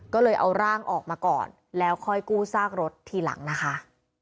ก็เลยเอาร่างออกมาก่อนแล้วค่อยกู้ซากรถทีหลังนะคะ